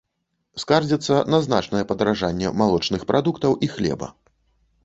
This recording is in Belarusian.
Скардзіцца на значнае падаражанне малочных прадуктаў і хлеба.